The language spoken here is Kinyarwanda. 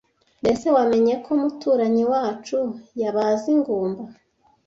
Mbese wamenye ko muturanyi wacu yabaze ingumba